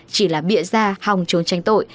chỉ là bịa ra hòng trốn tranh tội